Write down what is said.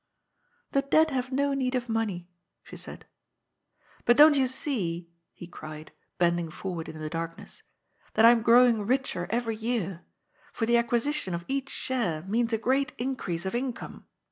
" The dead have no need of money," she s^d. " But don't you see," he cried, bending forward in the darkness, " that I am growing richer every year. For the acquisition of each share means a great increase of income.